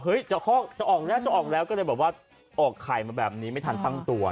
เฮ้ยจะออกแล้วก็เลยบอกว่าออกไข่มาแบบนี้ไม่ทันพังตัว